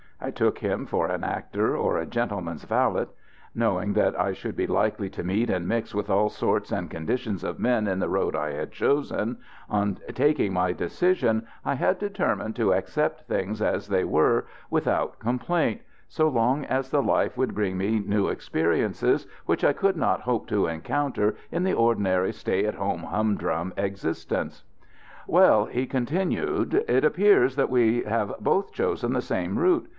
I took him for an actor or a gentleman's valet. Knowing that I should be likely to meet and mix with all sorts and conditions of men in the road I had chosen, on taking my decision I had determined to accept things as they were without complaint, so long as the life would bring me new experiences which I could not hope to encounter in the ordinary stay at home, humdrum existence. "Well," he continued, "it appears that we have both chosen the same route.